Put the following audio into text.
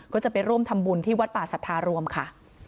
ก็จะไปร่วมทำบุญที่วัดป่าสัทธารวมค่ะ